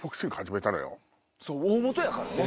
大本やからね。